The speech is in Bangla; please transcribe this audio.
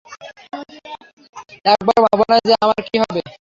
একবারো ভাবো নাই যে আমার কী হবে।